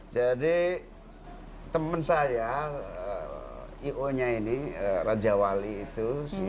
jadi temen saya ionya ini raja wali itu